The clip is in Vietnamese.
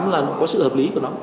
là nó có sự hợp lý của nó